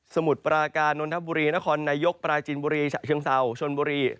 มุดปราการนนทบุรีนครนายกปราจินบุรีฉะเชิงเศร้าชนบุรี